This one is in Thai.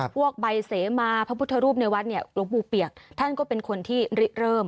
ใบเสมาพระพุทธรูปในวัดเนี่ยหลวงปู่เปียกท่านก็เป็นคนที่ริเริ่ม